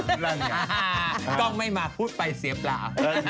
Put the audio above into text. ต้องไม่มาพูดไปเสียเปล่า